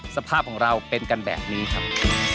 สภาพของเราเป็นกันแบบนี้ครับ